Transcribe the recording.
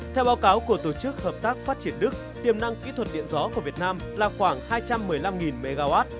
theo báo cáo của tổ chức hợp tác phát triển đức tiềm năng kỹ thuật điện gió của việt nam là khoảng hai trăm một mươi năm mw